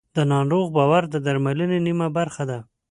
د ناروغ باور د درملنې نیمه برخه ده.